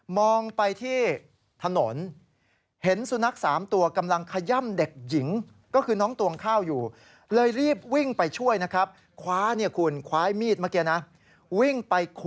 มองไปที่ถนนเห็นสุนัข๓ตัวกำลังขย่ำเด็กหญิง